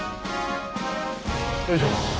よいしょ。